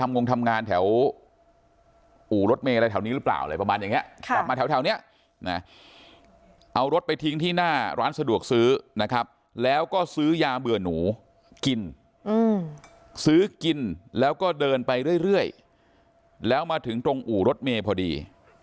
ทำงงทำงานแถวอู่รถเมย์อะไรแถวนี้หรือเปล่าอะไรประมาณอย่างนี้กลับมาแถวนี้นะเอารถไปทิ้งที่หน้าร้านสะดวกซื้อนะครับแล้วก็ซื้อยาเบื่อหนูกินซื้อกินแล้วก็เดินไปเรื่อยแล้วมาถึงตรงอู่รถเมย์พอดี